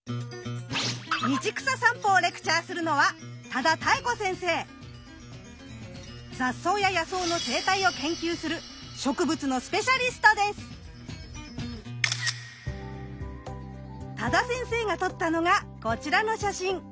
道草さんぽをレクチャーするのは雑草や野草の生態を研究する多田先生が撮ったのがこちらの写真。